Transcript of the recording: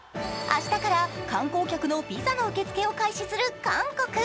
明日から観光客のビザの受け付けを開始する韓国。